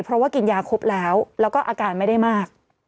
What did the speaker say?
เพราะว่ากินยาครบแล้วแล้วก็อาการไม่ได้มาก